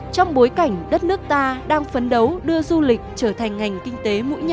trong bối cảnh đất nước ta đang phấn đấu đưa du lịch trở thành ngành kinh tế mũi nhọn